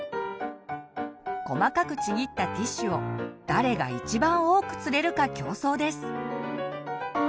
細かくちぎったティッシュを誰が一番多く釣れるか競争です！